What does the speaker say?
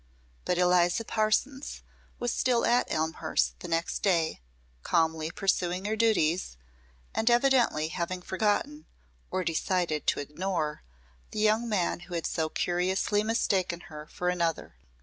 But Eliza Parsons was still at Elmhurst the next day, calmly pursuing her duties, and evidently having forgotten or decided to ignore the young man who had so curiously mistaken her for another.